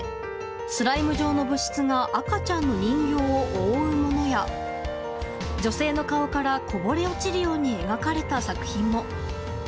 スライム状の物質が赤ちゃんの人形を覆うものや女性の顔からこぼれ落ちるように描かれた作品も。